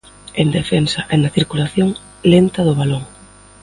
En defensa e na circulación lenta do balón.